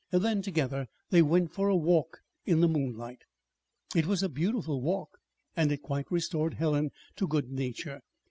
Then together they went for a walk in the moonlight. It was a beautiful walk, and it quite restored Helen to good nature.